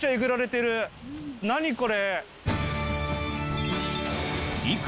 何これ！